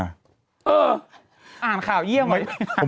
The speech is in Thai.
เอออ่านข่าวยี่แล้วเหมือนก็อย่างงี้มั๊ย